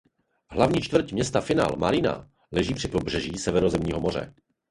Hlavní čtvrť města Final Marina leží při pobřeží Středozemního moře.